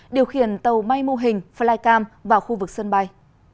điều khiển tàu bay mô hình flycam vào khu vực sân bay